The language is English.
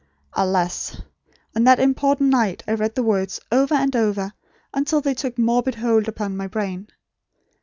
Alas! On that important night, I read the words, over and over, until they took morbid hold upon my brain.